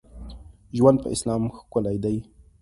ژوند په اسلام ښکلی دی.